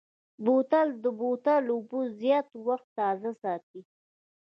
بوتل د بوتل اوبه زیات وخت تازه ساتي.